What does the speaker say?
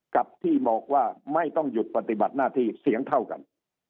กับที่บอกว่าไม่ต้องหยุดปฏิบัติหน้าที่เสียงเท่ากัน